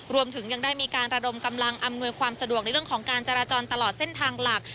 รวมถึงยังได้มีการระดมกำลังอำนวยความสะดวกในเรื่องของการจราจรตลอดเส้นทางหลัก